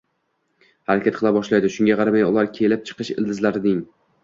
harakat qila boshlaydi. Shunga qaramay ular kelib chiqish ildizlarining